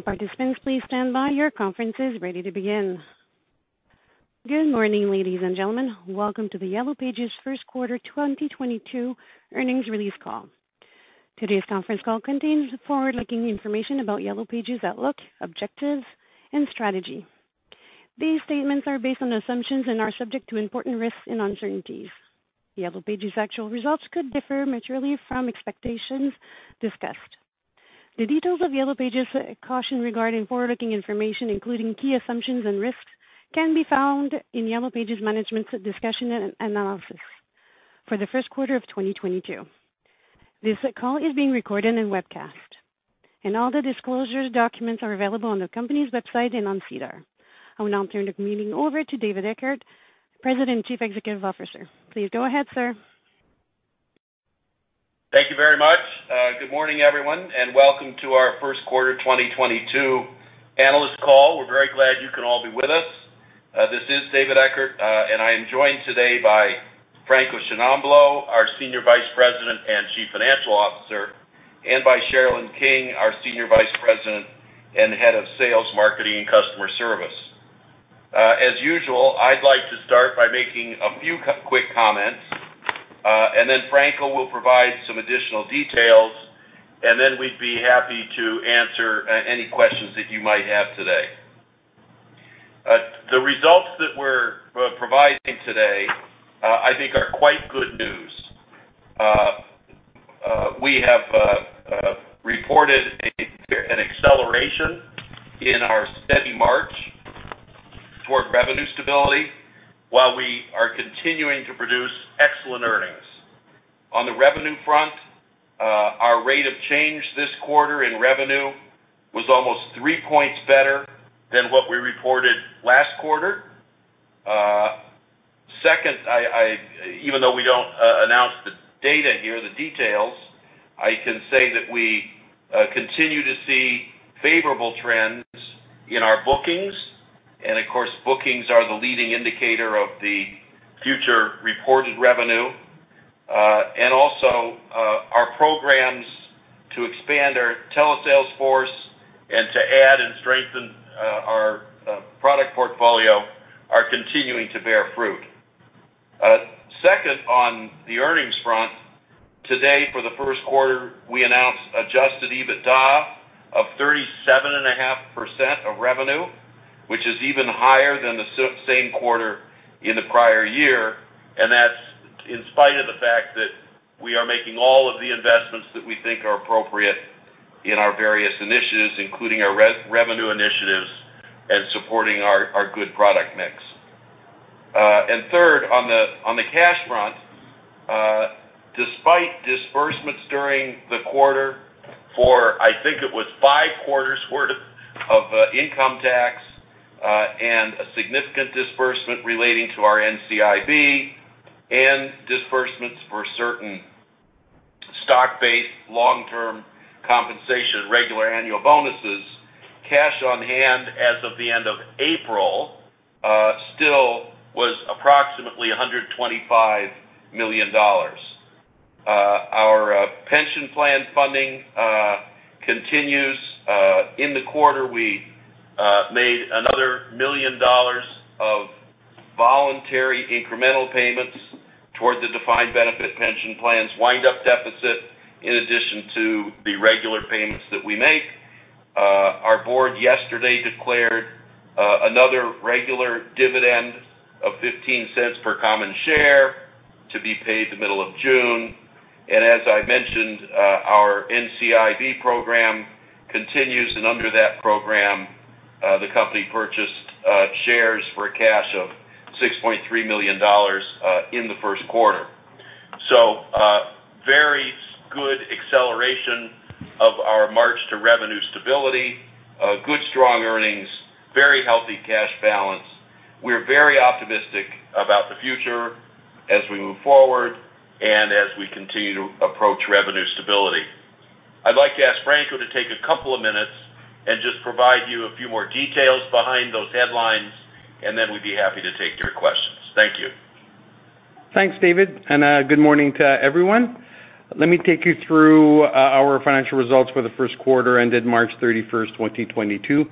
Good morning, ladies and gentlemen. Welcome to the Yellow Pages Q1 2022 earnings release call. Today's conference call contains forward-looking information about Yellow Pages' outlook, objectives, and strategy. These statements are based on assumptions and are subject to important risks and uncertainties. Yellow Pages' actual results could differ materially from expectations discussed. The details of Yellow Pages' caution regarding forward-looking information, including key assumptions and risks, can be found in Yellow Pages' management's discussion and analysis for the first quarter of 2022. This call is being recorded and webcast, and all the disclosure documents are available on the company's website and on SEDAR. I will now turn the meeting over to David Eckert, President and Chief Executive Officer. Please go ahead, sir. Thank you very much. Good morning, everyone, and welcome to our first quarter 2022 analyst call. We're very glad you can all be with us. This is David Eckert, and I am joined today by Franco Sciannamblo, our Senior Vice President and Chief Financial Officer, and by Sherilyn King, our Senior Vice President and Head of Sales, Marketing and Customer Service. As usual, I'd like to start by making a few quick comments, and then Franco will provide some additional details, and then we'd be happy to answer any questions that you might have today. The results that we're providing today, I think are quite good news. We have reported an acceleration in our steady march toward revenue stability while we are continuing to produce excellent earnings. On the revenue front, our rate of change this quarter in revenue was almost 3 points better than what we reported last quarter. Second, even though we don't announce the data here, the details, I can say that we continue to see favorable trends in our bookings. Of course, bookings are the leading indicator of the future reported revenue. Our programs to expand our telesales force and to add and strengthen our product portfolio are continuing to bear fruit. Second, on the earnings front, today for the first quarter, we announced adjusted EBITDA of 37.5% of revenue, which is even higher than the same quarter in the prior year. That's in spite of the fact that we are making all of the investments that we think are appropriate in our various initiatives, including our revenue initiatives and supporting our good product mix. Third, on the cash front, despite disbursements during the quarter for, I think it was 5 quarters' worth of income tax, and a significant disbursement relating to our NCIB and disbursements for certain stock-based long-term compensation, regular annual bonuses. Cash on hand as of the end of April still was approximately 125 million dollars. Our pension plan funding continues. In the quarter, we made another 1 million dollars of voluntary incremental payments towards the defined benefit pension plan's wind-up deficit in addition to the regular payments that we make. Our board yesterday declared another regular dividend of 0.15 per common share to be paid the middle of June. As I mentioned, our NCIB program continues. Under that program, the company purchased shares for a cash of 6.3 million dollars in the first quarter. Good acceleration of our march to revenue stability. Good, strong earnings, very healthy cash balance. We're very optimistic about the future as we move forward and as we continue to approach revenue stability. I'd like to ask Franco to take a couple of minutes and just provide you a few more details behind those headlines, and then we'd be happy to take your questions. Thank you. Thanks, David, and good morning to everyone. Let me take you through our financial results for the first quarter that ended March 31, 2022.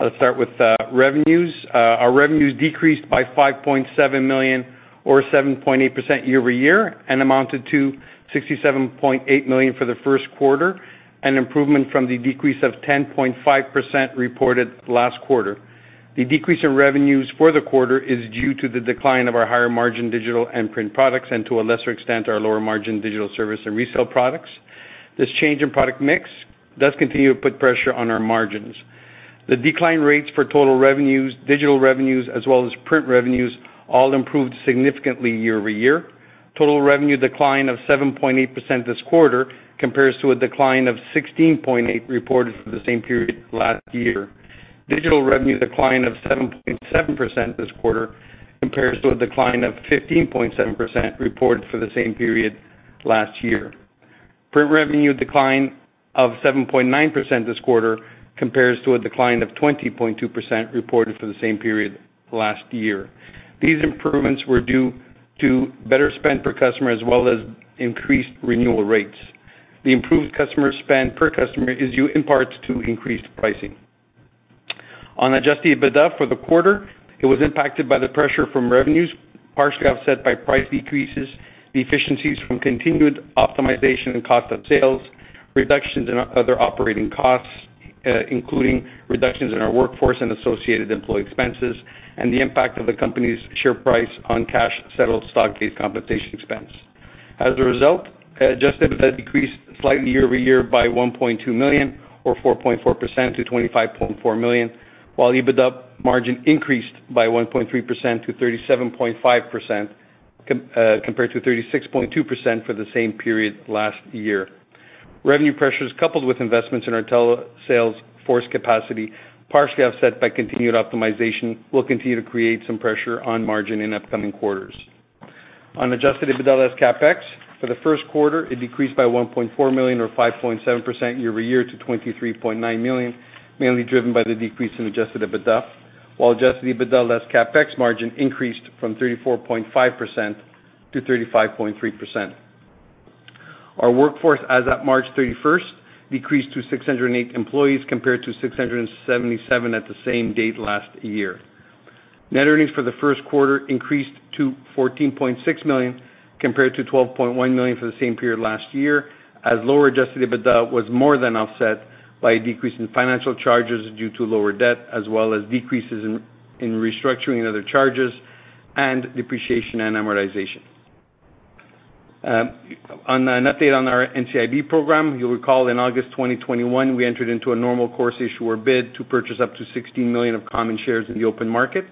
Let's start with revenues. Our revenues decreased by 5.7 million or 7.8% year-over-year and amounted to 67.8 million for the first quarter, an improvement from the decrease of 10.5% reported last quarter. The decrease in revenues for the quarter is due to the decline of our higher margin digital media and print products and, to a lesser extent, our lower margin digital services and resale products. This change in product mix does continue to put pressure on our margins. The decline rates for total revenues, digital revenues as well as print revenues all improved significantly year-over-year. Total revenue decline of 7.8% this quarter compares to a decline of 16.8% reported for the same period last year. Digital revenue decline of 7.7% this quarter compares to a decline of 15.7% reported for the same period last year. Print revenue decline of 7.9% this quarter compares to a decline of 20.2% reported for the same period last year. These improvements were due to better spend per customer as well as increased renewal rates. The improved customer spend per customer is due in part to increased pricing. On adjusted EBITDA for the quarter, it was impacted by the pressure from revenues, partially offset by price decreases, the efficiencies from continued optimization and cost of sales, reductions in other operating costs, including reductions in our workforce and associated employee expenses, and the impact of the company's share price on cash settled stock-based compensation expense. As a result, adjusted EBITDA decreased slightly year-over-year by 1.2 million or 4.4% to 25.4 million, while EBITDA margin increased by 1.3% to 37.5% compared to 36.2% for the same period last year. Revenue pressures coupled with investments in our tele-sales force capacity, partially offset by continued optimization, will continue to create some pressure on margin in upcoming quarters. On adjusted EBITDA less CapEx, for the first quarter, it decreased by 1.4 million or 5.7% year-over-year to 23.9 million, mainly driven by the decrease in adjusted EBITDA. While adjusted EBITDA less CapEx margin increased from 34.5% to 35.3%. Our workforce as at March 31st decreased to 608 employees compared to 677 at the same date last year. Net earnings for the first quarter increased to 14.6 million compared to 12.1 million for the same period last year, as lower adjusted EBITDA was more than offset by a decrease in financial charges due to lower debt, as well as decreases in restructuring and other charges and depreciation and amortization. An update on our NCIB program, you'll recall in August 2021, we entered into a normal course issuer bid to purchase up to 16 million of common shares in the open market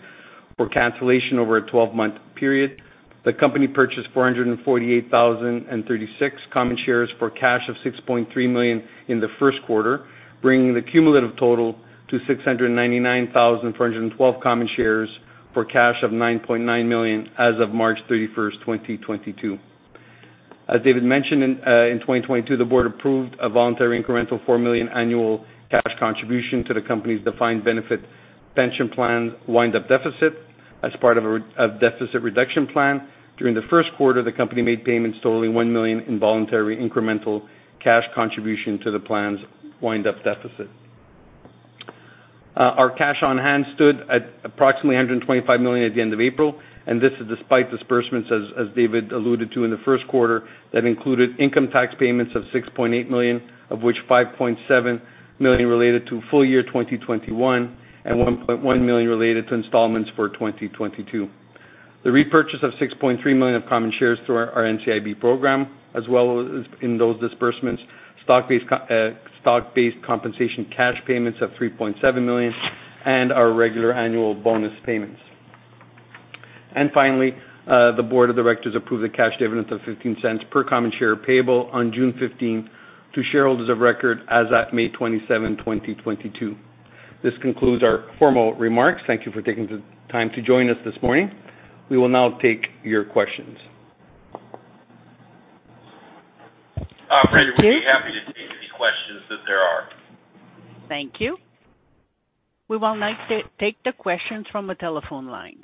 or cancellation over a 12-month period. The company purchased 448,036 common shares for cash of 6.3 million in the Q1, bringing the cumulative total to 699,412 common shares for cash of 9.9 million as of March 31, 2022. As David mentioned in 2022, the board approved a voluntary incremental 4 million annual cash contribution to the company's defined benefit pension plan wind-up deficit as part of a deficit reduction plan. During the Q1, the company made payments totaling 1 million in voluntary incremental cash contribution to the plan's wind up deficit. Our cash on hand stood at approximately 125 million at the end of April, and this is despite disbursements, as David alluded to in theQ1, that included income tax payments of 6.8 million, of which 5.7 million related to full year 2021 and 1.1 million related to installments for 2022. The repurchase of 6.3 million of common shares through our NCIB program, as well as in those disbursements, stock-based compensation cash payments of 3.7 million and our regular annual bonus payments. Finally, the board of directors approved a cash dividend of 0.15 per common share payable on June 15 to shareholders of record as at May 27, 2022. This concludes our formal remarks. Thank you for taking the time to join us this morning. We will now take your questions. Operator, we'd be happy to take any questions that there are. Thank you. We will now take the questions from the telephone lines.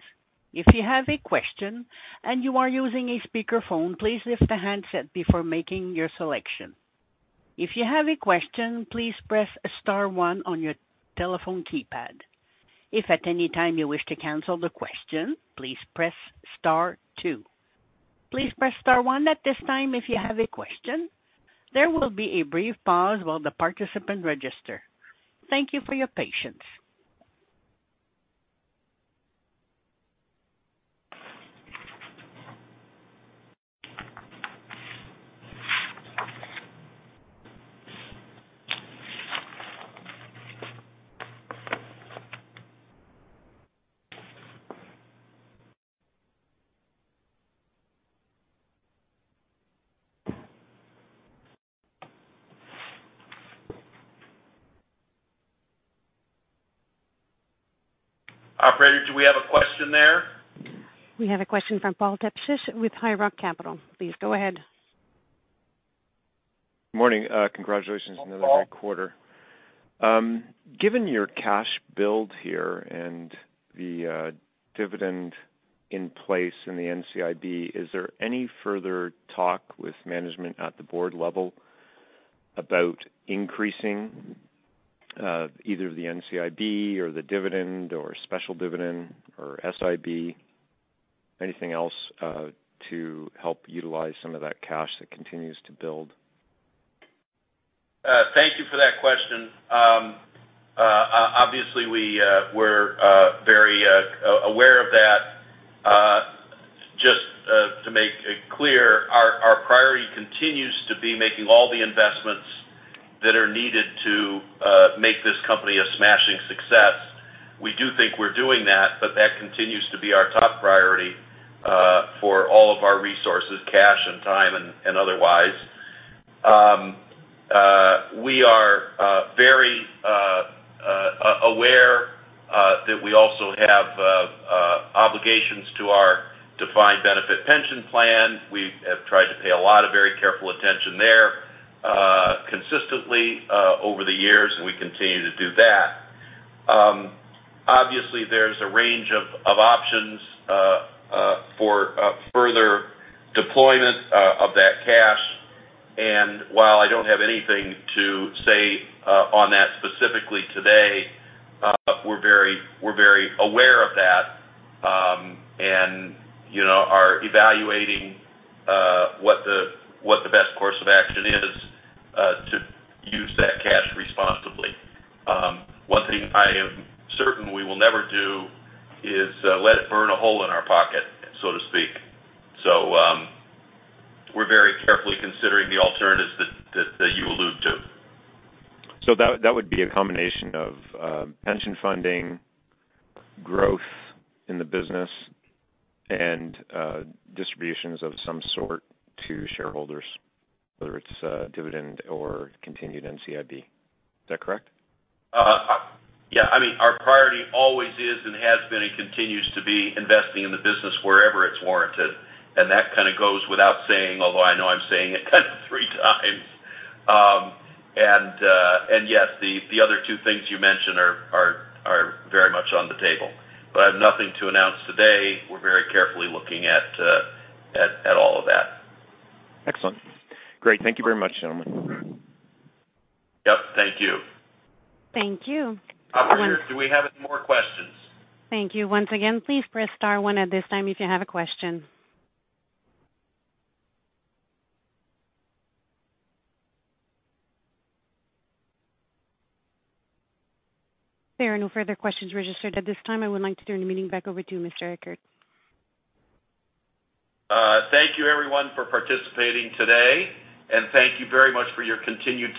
If you have a question and you are using a speaker phone, please lift the handset before making your selection. If you have a question, please press star one on your telephone keypad. If at any time you wish to cancel the question, please press star two. Please press star one at this time if you have a question. There will be a brief pause while the participants register. Thank you for your patience. Operator, do we have a question there? We have a question from Paul Tepsich with High Rock Capital. Please go ahead. Morning. Congratulations on another great quarter. Given your cash build here and the dividend in place in the NCIB, is there any further talk with management at the board level about increasing either the NCIB or the dividend, or special dividend, or SIB, anything else to help utilize some of that cash that continues to build? Thank you for that question. Obviously, we're very aware of that. Just to make it clear, our priority continues to be making all the investments that are needed to make this company a smashing success. We do think we're doing that, but that continues to be our top priority for all of our resources, cash and time and otherwise. We are very aware that we also have obligations to our defined benefit pension plan there consistently over the years, and we continue to do that. Obviously there's a range of options for further deployment of that cash. While I don't have anything to say on that specifically today, we're very aware of that, and you know, are evaluating what the best course of action is to use that cash responsibly. One thing I am certain we will never do is let it burn a hole in our pocket, so to speak. We're very carefully considering the alternatives that you allude to. That would be a combination of pension funding, growth in the business and distributions of some sort to shareholders, whether it's a dividend or continued NCIB. Is that correct? Yeah. I mean, our priority always is and has been and continues to be investing in the business wherever it's warranted. That kind of goes without saying, although I know I'm saying it kind of three times. Yes, the other two things you mentioned are very much on the table. I have nothing to announce today. We're very carefully looking at all of that. Excellent. Great. Thank you very much, gentlemen. Yep, thank you. Thank you. Operator, do we have any more questions? Thank you. Once again, please press star one at this time if you have a question. There are no further questions registered at this time. I would like to turn the meeting back over to you, Mr. Eckert. Thank you everyone for participating today, and thank you very much for your continued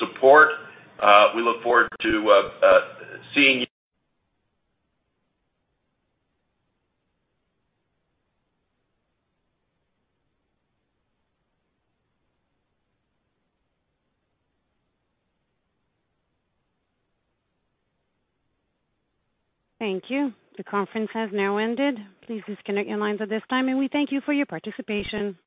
support. We look forward to seeing you- Thank you. The conference has now ended. Please disconnect your lines at this time, and we thank you for your participation.